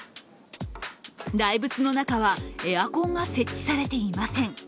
大仏の中は、エアコンが設置されていません。